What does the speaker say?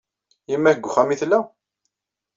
Yemma-k deg uxxam ay tella?